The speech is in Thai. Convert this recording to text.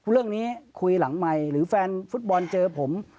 เรื่องนี้คุยหลังไมค์หรือแฟนฟุตบอลเจอผม